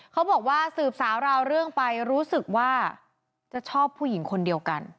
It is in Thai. เขาบอกว่าสืบสาวราวเรื่องไปรู้สึกว่าจะชอบผู้หญิงคนเดียวกัน